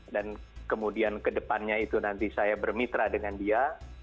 dan kemudian kedepannya itu nanti saya bermitra dengan dia